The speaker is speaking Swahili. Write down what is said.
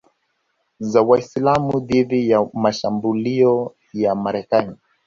za Waislamu dhidi ya mashambulio ya Marekani